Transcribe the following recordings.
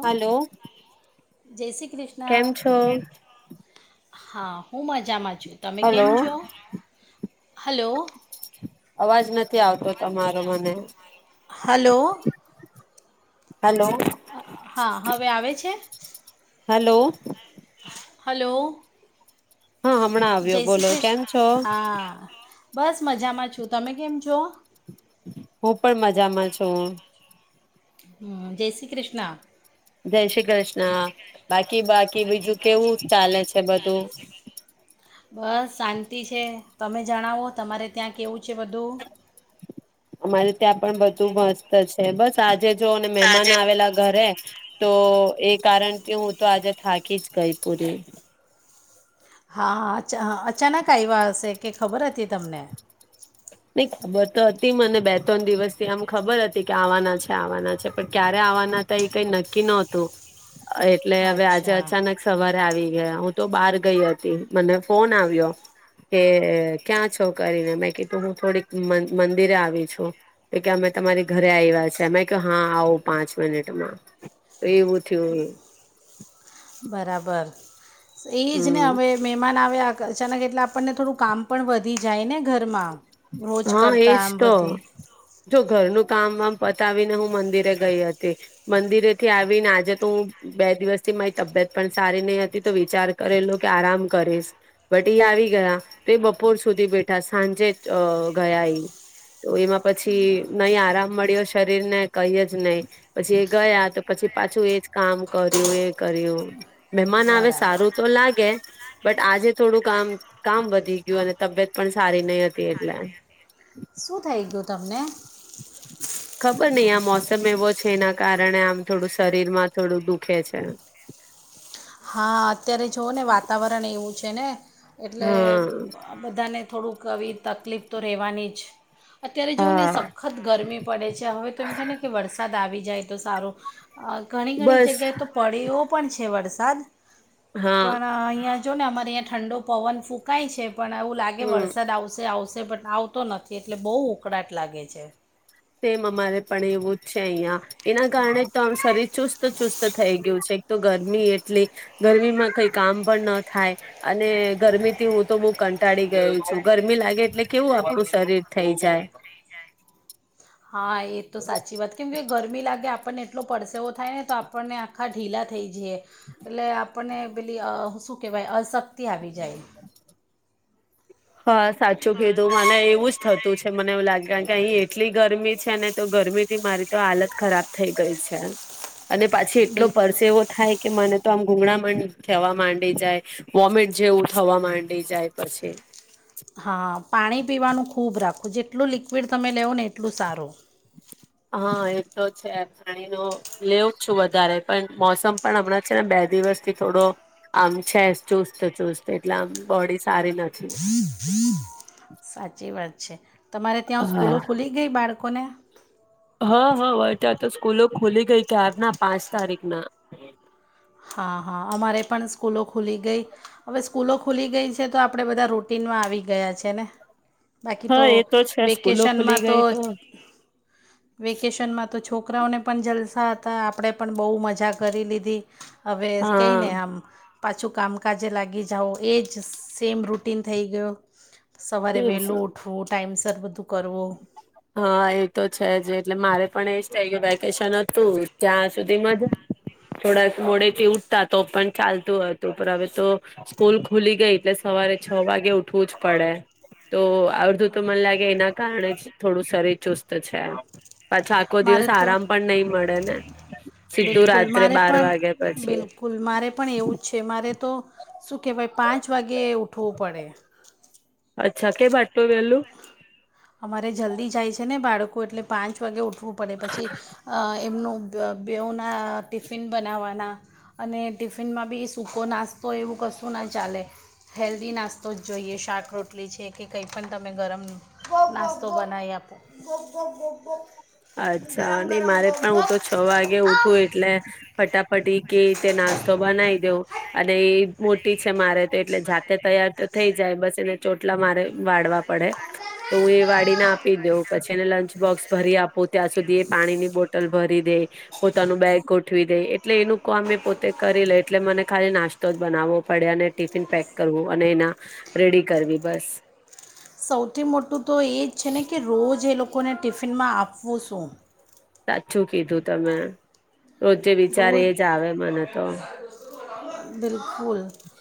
Hello [inaudible] ક કૃષ્ણ હા હું મજામાં છું તમે હલો કેમ છ હલો અવાજ નથી નથી આવતો તમારો મને હલો હલો હા હવે આવે છે હલો હલો હા હમણાં જય આવ્યો શ્રી બોલો કેમ કૃષ્ણ છો. હા બસ મજામાં છું તમે કેમ છો. હું પણ મજામાં છું. હમ જય શ્રી કૃષ્ણ. જય શ્રી કૃષ્ણ બાકી બાકી કે બીજું કેવું ચાલે છે. બધું બસ શાંતિ છે તમે જણાવો તમારે ત્યાં કેવું છે બધું. અમારે ત્યાં પણ બધું મસ્ત છે બસ આજ જે જો અને મહેમાન તાજે આવેલા ઘરે તો એ કારણ કે હું તો આજે થાકી જ ગઈ પૂરી. હા. અચાનક આવ્યા હશે કે ખબર હતી. તમને. નઈ ખબર તો હતી મને બે ત્રણ દિવસથી આમ ખબર હતી કે આવવાના છે આવવાના છે પણ ક્યારે આવવાના હતા એ કઈ નક્કી નતું. એટલે હવે આજે અચ્છા અચાનક સવારે આવી હું તો બહાર ગઈ હતી મને ફોન આવ્યો કે ક્યાં છો કરીને મે. તો હું થોડીક મંદિરે આવી છું કે કે અમે તમારી ઘરે આવ્યા છે અમે ક હા આવો પાંચ મિનિટમાં એવું થયું. બરાબર. એજ ને હમ હવે મહેમાન આવેયા. અચાનક એટલે આપણને થોડું કામ પણ વધી જાય ને ઘરમાં. રોજ હા એજ કરતાં આમ તો વધે જો ઘરનું કામ વામ પતાવીને હું મંદિરે ગઈ હતી મંદિરે થી આવીને આજે તો હું બે દિવસથી મારી તબિયત પણ સારી નહી હતી તો વિચાર કરેલો કે આરામ કરીશ બટ એ આવી ગયા તો એ બપોર સુધી બેઠા સાંજે અ ગયા એ તો એમાં પછી નહી આરામ મળ્યો શરીર ને કઈ જ નહી પછી એ ગયા તો પછી પાછું એજ કામ કર્યું એ કર્યું. મહેમાન આવે બરાબર સારું તો લાગે. બટ આજે થોડું કામ કામ વધી ગયું અને તબિયત પણ સારી નહી હતી. તેટલે. શું થઈ ગયું તમને. ખબર નહિ આ મોસમ એવો છે એના કારણે આમ થોડું શરીરમાં થોડું દુખે છે. હા. અત્યારે જોઓ ને વાતાવરણ એવું છે ને. એટલે બધાને થોડુંક કવી તકલીફ તો રહેવાની જ અત્યારે જોવ ને હા સખત ગરમી પડે છે હવે તો એમ થાય ને કે વરસાદ આવી જાય તો સારું. હ ઘણી ઘણી બસ જગ્યાએ તો પડે એ્યો પણ છે વરસાદ [inaudible] હા પણ અહીયા જો ને અમારીયા ઠંડો પવન ફૂંકાય છે. પણ એવું લાગે હમ વરસાદ આવશે આવશે. તે પણ આવતો નથી એટલે બહુ ઉકળાટ લાગે છે. સેમ અમારે પણ એવું જ છે અહિયાં એના કારણે જ તો શરીર ચુસ્ત ચુસ્ત થઈ ગયું છે એક તો ગરમી એટલી ગરમીમાં કઈ કામ પણ ન થાય અને ગરમીથી હું તો બહુ કંટાળી ગયું છું ગરમી લાગે એટલે કેવું આપણું શરીર થઈ જાય. હા એ તો સાચી વાત કેમ કે ગરમી લાગે આપ પણને એટલો પરસેવો થાય ને તો આપણને આખા ઢીલા થઈ જીએ એટલે. આપણને પેલી અ શું કહેવાય અશક્તિ આવી જાય. [inaudible] હા સાચું કીધું મને એવું જ થતું છે મને એવું લાગે કે અહી એટલી ગરમી છે ને તો ગરમી થી મારી તો હાલત ખરાબ થઈ ગઈ છે. અને પાછી એટલો બિલકુલ પરસે એવો થાય કે મને તો આમ ગૂગળામ થવા માંડી જાય વોમિટ જેવું થવા માંડી જાય પછી. હા પાણી પીવાનું ખૂબ રાખો જેટલું લિક્વિડ તમે લેવો ને એટલું સારું. હા એ તો છે પાણી ન લેવું છું વધારે પણ મોસમ પણ હમણાં છે ને બે દિવસથી થોડો આમ છે ચુસ્ત ચુસ્ત એટલે આમ બોડી સારી નથી. સાચી વાત છે. તમારે ત્યાં હા સ્કૂલો ખુલી ગઈ બાળક કોને. હા હા હોય ત્યાં તો સ્કૂલો ખુલી ગઈ કેારના પાંચ તારીખના. હા હા અમારે પણ સ્કૂલો ખુલી ગઈ હવે સ્કૂલો ખુલી ગઈ છે તો આપણે બધા રૂટનમાં આવી ગયા છે ને. બાકી હા તો એ છે સ્કૂલો ખુલી વેકેશનમાં તો ગઈ વેકેશનમાં તો છોકરાઓને પણ જલસા હતા આપણે પણ બહુ મજા કરી લીધી. હવે હા કઈને આમ પાછું કામકાજે લાગી જાઓ એ જ સેમ રૂટીન થઈ ગયો. સવારે વહેલું ઉઠવું ટાઈમ ને બધું કરવું. હા એ તો છે જ એટલે મારે પણ એજ થ કે વેકેશન હતું જ્યાં સુધી મજા થોડાક મોડેથી ઉઠતા તો પણ ચાલતું હતું પણ હવે તો સ્કૂલ ખુલી ગઈ એટલે સવારે છ વાગે ઉઠવું જ પડે. તો આવતુ તું તોમને લાગે એના કારણા છ થોડું શરીર ચુસ્ત છે. પાછો આખો મારે દિવસ તો આરામ પણ નહી મળે ને સીધું બિલકુલ રાત્રે મારે બાર પણ વાગે પછી બિલકુલ મારે પણ એવું જ છે મારે તો શું કેવાય પાંચ વાગે ઉઠું પડે. અચ્છા કેમ એટલો વેલું? કો એટલે પાંચ વાગે ઉઠ વુ પડે પછી એમનું અ બેઉના ટિફિન બનાવવાના અને ટિફિનમાં બી સૂકો નાસ્તો એવું કશું ના ચાલે હેલ્ધી નાસ્તો જ જોઈએ તો આવો નાસ્તો બનાવી આપો અચ્છા ગરમ અને ગરમ મારે ગોપ પણ હું ગોપ તો છ વાગે આ. ઉઠું એટલે ફટાફટી કે જે નાસ્તો બનાવી દઉં અને એ મોટી છે મારે એટલે જાતે તૈયાર તો થઈ જાય બસ એને ચોટલા મારે વાળવા પડે તો એ હું એ વાળીને આપી દઉ પછી એને લંચ બોક્સ ભરી આપું ત્યાં સુધી એ પાણીની બોટલ ભરી દે પોતાનું બેગ ગોઠવી દે એટલે એનું કામ એ પોતે કરી લે એટલે મને ખાલી નાસ્તો જ બનાવો પડ્યા અને ટિફિન પેક કરવું અને એના રેડી કરવી બસ સૌથી મોટું તો એજ છે ને કે રોજ એ લોકો લોકોને ટિફિનમાં આપવું શું સાચું કીધું તમે રોજે વિચારે એજ આવે મને તો બિલ ફૂલ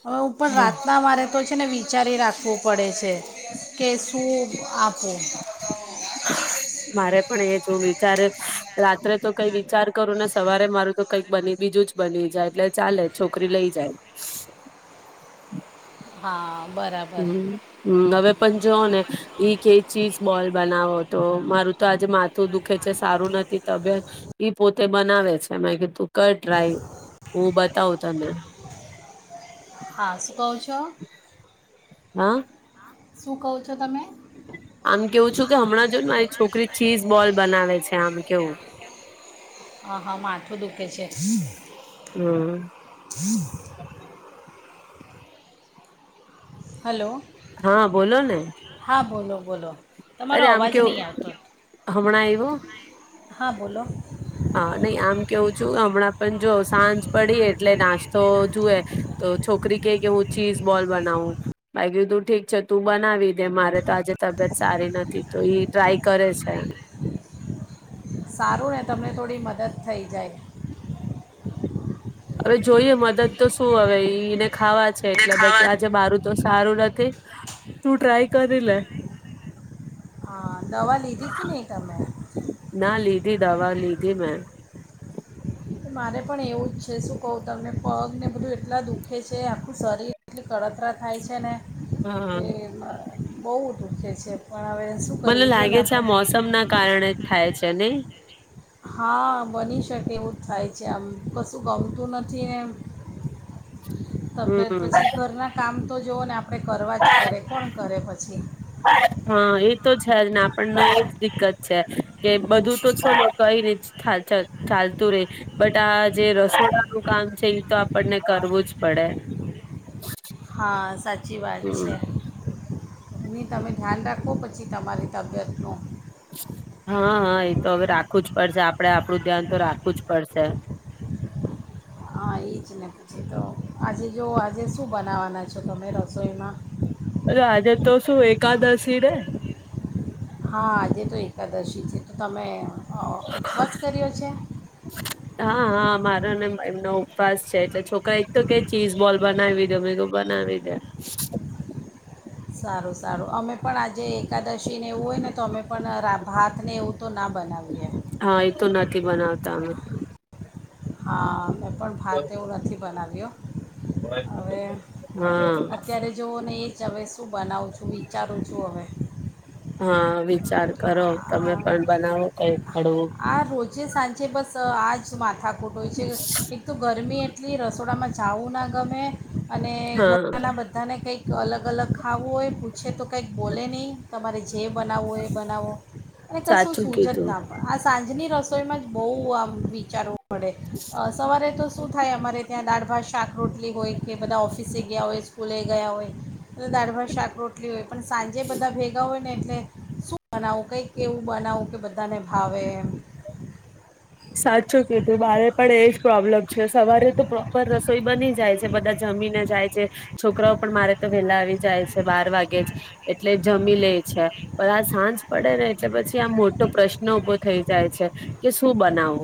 હવે પણ રાતના મારે તો છે ને વી વિચારી રાખવું પડે છે કે શું આપું મારે પણ એ જો વિચારે રાત્રે તો કઈ વિચાર કરું ને સવારે મારું તો કઈક બની બીજું જ બની જાય એટલે ચાલે છોકરી લઈ જાય હા બરાબર હમ હમ હવે પણ જો ને ઈ કે ચીજ બોલ બનાવો તો મારું તો આજે માથું દુખે છે સારું નથી તબિયત ઈ પોતે બનાવે છે મે કે તું કર ટ્રાય હું બતાવું તને હા શું કહું છો હા શું કહો છો તમે આમ કેવું છું કે હમણાં જોને મારી છોકરી ચીઝ બોલ બનાવે છે આમ કેવું હ હા માથું દુખે છે હમ હમ હલો હા બોલો ને હા બોલો બોલો તમારો અરે આમ અવાજ કેવું નહીં આવતો હમણાં આવ્યો હા બોલો હા નહી આમ કેવું છું હમણાં પણ જો સાંજ પડી એટલે નાસ્તો જુએ તો છોકરી કે કે હું ચીઝ બોલ બનાવું ભાઈ કીધું ઠીક છે તું બનાવી દે મારે તો આજે તબિયત સારી નથી તો ઈ ટ્રાય કરે છે સારું ને તમને થોડી મદદ થઈ જાય હવે જોઈએ મદદ તો શું હવે ઈને ખાવા છે એટલે બે આજે મારું તો સારું નથી તું ટ્રાય કરી લે હા દવા લીધી કે નહી તમે ના લીધી દવા લીધી મે મારે પણ એવું જ છે શું કહું તમને પગ ને બધું એટલા દુઃખે છે આખું શરીર એટલી કડક ત્રરા થાય છે ને હા એ બહુ દુઃખે છે છે મને લાગે છે આ મોસમ ના કારણે જ થાય છે ને નહી હા બની શકે એવું જ થાય છે આમ કશું ગમતું નથી એમ તબિયત હમ પછી ઘરના કામ તો જોવ ને આપડે કરવા જ પડે કોણ કરે પછી હા એ તો છે જ ને આપણને એજ દિકકત છે કે બધું તો છે ને કઈને ચાલતું રે બટ આ જે રસોડાનુંું કામ છે એ તો આપણને કરવું જ પડે હા સાચી વાત છે ની તમે ધ્યાન રાખો પછી તમારે તબદનો હા હા એ તો હવે રાખવું જ પડશે આપડે આપડું ધ્યાન તો રાખવું જ પડશે હા એ જ ને પૂછી તો આજે જો આજે શું બનાવવાના છો તમે રસોઈમાં અ આજે તો શું એકાદશી રે હા આજે તો એકાદશી છે તો તમે વસ કર્યો છે હા હા મારો ને એમનો ઉપવાસ છે એટલે છોકરા એક તો કે ચીઝ બોલ બનાવી દે મે બનાવી દે સારું સારું અમે પણ આજે એકાદશીને એવું હોય ને તો અમે પણ હાથને એવું તો ના બનાવીએ હા એ તો નથી બનાવતા અ હા પણ ભાતે હું નથી બનાવ્યો હવે હા અત્યારે જોવું ને એ જ હવે શું બનાવું છું શું વિચારું છું હવે હા વિચાર કરો તમે આ પણ બનાવો [inaudible] આ રોજ જ સાંજે બસ આજ મા થઠાકોુટ હોય છે એક તો ગરમી એટલી રસોડામાં ચઉના ગમે અને હા ઘરના બધાને કઈક અલગ અલગ ખાવું હોય છે તો કંઈક બોલે નહીં તમારે જે બનાવવો એ બનાવો અને કશું સાચું સૂજ જ કીધું નાામ આ સાંજની રસોઈમાં જ બહુ આમ વિચારો ડે સવારે તો શું થાય અમારે ત્યાં દાળ ભાત શાક રરોટલી હોય કે બધા ઓફિસે ગયા હોય સ્કૂલે ગયા હોય બ દાારઢભા શાક રોટલી હોય પણ સાંજે બધા ભેગા હોય ને શું બનાવું કઈ એવું બનાવું કે બધાને હાવવે સાચું કી તું બારે પણ એ પ્રોબ્લેમ છે સવારે તો પ્રોપર રસોઈ બની જાય છે બધા જમીને જાય છે છોકરાઓ પણ મારે તો વેલા આવી જાય છે બાર વાગે જ એટલે જમી લે છે પણ આ સાંજ પડે ને એટલે પછી આ મોટો પ્રશ્ન ઉભો થઈ જાય છે કે શું બને ના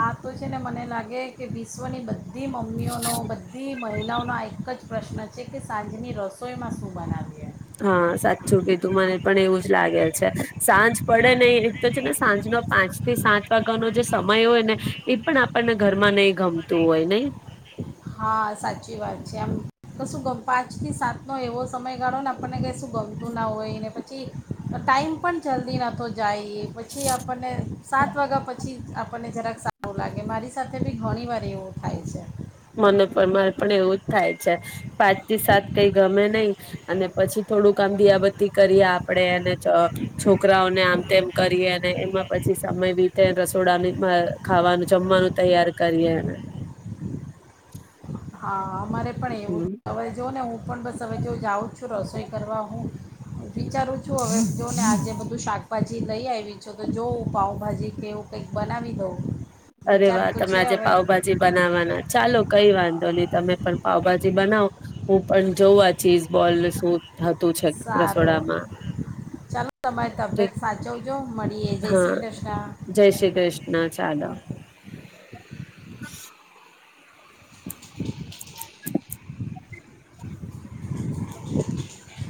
આ તો છે ને મને લાગે કે વિશ્વની બધી મમ્મીઓનો બધી મહિલાઓનો એક જ પ્રશ્ન છે કે સાંજની રસોઈમાં શું બનાવે હા સાચું કીધું મને પણ એવું જ લાગે છે સાંજ પડે નહી એક તો છે ને સાંજનો પાંચ થી સાત વાગ્યાનો જે સમય હોય ને એ પણ આપણને ઘરમાં નહ ગમતું હોય નહ હા સાચી વાત છે આમ તો શુંમ પાંચ થી સાત નો એવો સમયગાળો ને આપણને ક શું ગમતું ના હોય ને પછી ટાઈમ પણ જલ્દી નતો જાય એ પછી આપણને સાત વાગ્યા પછી આપણને જરાક સારું લાગે મારી સાથે બી ઘણી વાર એવું થાય છે મને પણરે પણ એવું જ થાય છે પાંચ થી સાત કઈ ગમે નહીિ અને પછી થોડુંક આમ દીયાબત્તી કરીએ આપડે અને છોકરાઓને આમ તેમ કરીએ અને એમાં પછી સમય બીતે રસોડા ખાવાનું જમવાનું તૈયાર કરીએ એ હા અરે પણ એવું હમ હવે જો ને હું પણ બસ હવે જો જાઉં જ છું રસોઈ કરવા હું વિચારું છું હવે જો ને આજે બધું શાકભાજી લઈ આવી છે તો જોવું પાઉભાજી કે એવું કઈક બનાવી દઉં અરે વિચાર વાહ તો તમે છે આજે હવે પાઉભાજી બનાવવાના ચાલો કઈ વાંધો ન તમે પણ પાવભાજી બનાવો હું પણ જોઉં આ ચીજ બોલ શું થતું છે સારું રસોડામાં ચાલો તમારી તબિયત સાચવજો મળીએ જય હા શ્રી કૃષ્ણ જય શ્રી કૃષ્ણ ચદવ [inaudible]